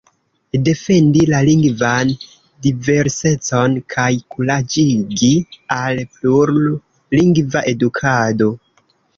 Defendi la lingvan diversecon kaj kuraĝigi al plur-lingva edukado.